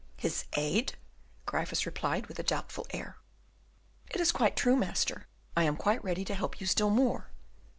"His aid?" Gryphus replied, with a doubtful air. "It is quite true, master! I am quite ready to help you still more."